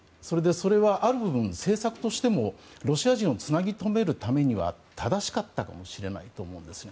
それは、ある分政策としてもロシア人をつなぎとめるためには正しかったかもしれないと思うんですね。